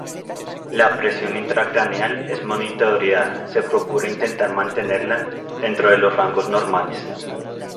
La presión intracraneal es monitoreada se procura intentar mantenerla dentro de los rangos normales.